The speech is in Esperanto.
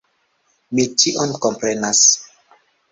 Mi ĉion komprenas!